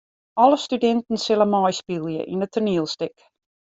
Alle studinten sille meispylje yn it toanielstik.